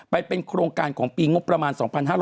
ไปเป็นโครงการของปีประมาณ๒๕๖๔๒๕๖๕